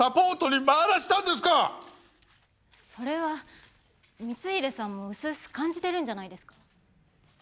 それは光秀さんもうすうす感じてるんじゃないですか？